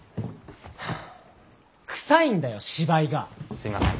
すみません。